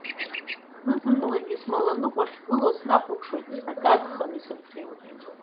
Зны-зынлагьы смаланыҟәа ахьгылоу снахәаԥшуеит, акы агханы исырҽеиуашәа.